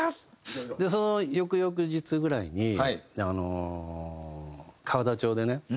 その翌々日ぐらいに河田町でね